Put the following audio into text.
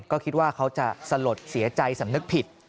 ก็คิดว่าเขาจะสลดเสียใจสำนึกผิด